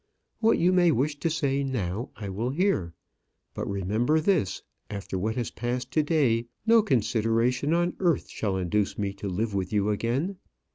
What you may wish to say now I will hear; but remember this after what has passed to day, no consideration on earth shall induce me to live with you again.